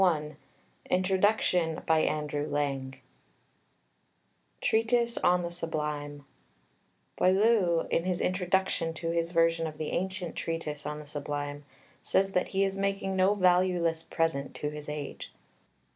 xliv). INTRODUCTION TREATISE ON THE SUBLIME Boileau, in his introduction to his version of the ancient Treatise on the Sublime, says that he is making no valueless present to his age.